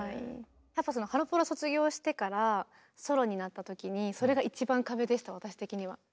やっぱハロプロ卒業してからソロになった時にそれが一番壁でした私的には。